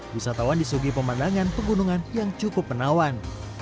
wisatawan di sugi pemandangan penggunungan yang cukup menawan